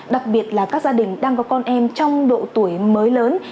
đặc biệt là các gia đình đang có con em trong độ tuổi mới lớn